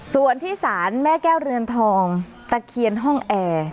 ส่วนที่ศาลแม่แก้วเรือนทองตะเคียนห้องแอร์